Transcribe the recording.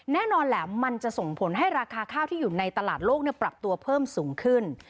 แน่นอนแหละมันจะส่งผลให้ราคาข้าวที่อยู่ในตลาดโลกปรับตัวเพิ่มสูงขึ้น